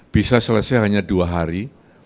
bisa selesai hanya dua hari